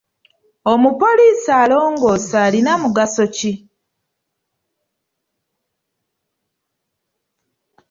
Omupoliisi alongoosa alina mugaso ki?